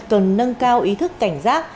cần nâng cao ý thức cảnh giác